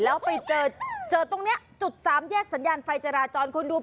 แล้วไปเจอเจอตรงนี้จุดสามแยกสัญญาณไฟจราจรคุณดู